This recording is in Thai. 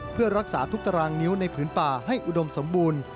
เพื่อรักษาทุกตารางนิ้วในผืนป่าให้อุดมสมบูรณ์